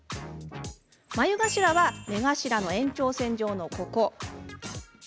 眉頭は目頭の延長線上のここ。